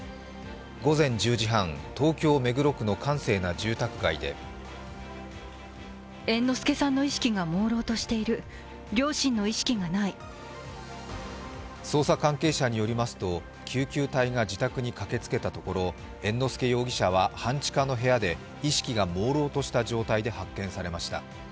午前１０時半、東京・目黒区の閑静な住宅街で捜査関係者によりますと救急隊が自宅に駆けつけたところ猿之助容疑者は半地下の部屋で意識がもうろうとした状態で発見されました。